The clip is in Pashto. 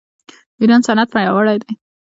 د ایران صنعت پیاوړی دی.